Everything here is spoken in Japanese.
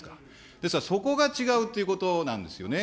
ですから、そこが違うということなんですよね。